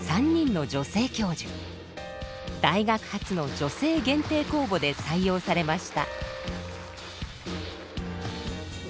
大学初の女性限定公募で採用されました。